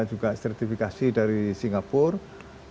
juga sertifikasi dari singapura